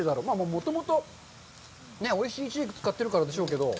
もともとおいしいいちじく使ってるからでしょうけど。